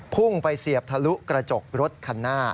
พุ่งไปเสียบทะลุกระจกรถคันหน้า